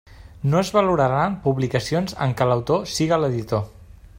No es valoraran publicacions en què l'autor siga l'editor.